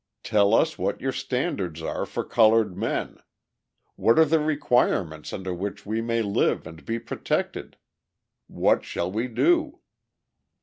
Tell us what your standards are for coloured men. What are the requirements under which we may live and be protected? What shall we do?"